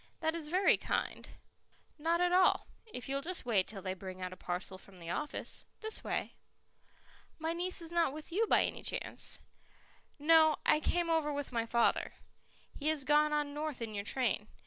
"That is very kind " "Not at all, if you'll just wait till they bring out a parcel from the office. This way." "My niece is not with you by any chance?" "No; I came over with my father. He has gone on north in your train.